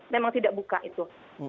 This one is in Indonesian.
memang tidak buka itu